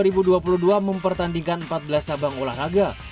dua ribu dua puluh dua mempertandingkan empat belas cabang olahraga